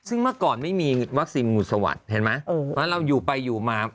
ซึ่งเมื่อก่อนไม่มีวัคซีนงูสวัสดิ์เห็นไหมแล้วเราอยู่ไปอยู่มา